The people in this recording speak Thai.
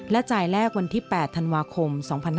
จ่ายแรกวันที่๘ธันวาคม๒๕๕๙